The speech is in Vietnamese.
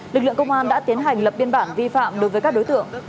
lực lượng công an đã tiến hành lập biên bản vi phạm đối với các đối tượng